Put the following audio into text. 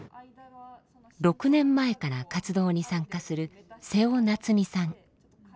６年前から活動に参加する瀬尾夏美さん。